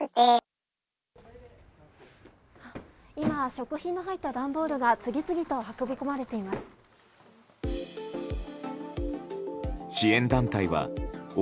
食品の入った段ボールが次々に運び込まれています。